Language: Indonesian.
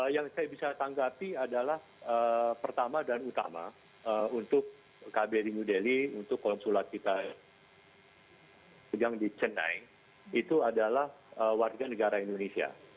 yang saya bisa tanggapi adalah pertama dan utama untuk kbri new delhi untuk konsulat kita yang di chennai itu adalah warga negara indonesia